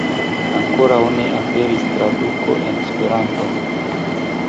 Ankoraŭ ne aperis traduko en Esperanton.